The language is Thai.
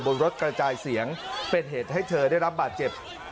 บนรถกระจายเสียงเป็นเหตุให้เธอได้รับบาดเจ็บ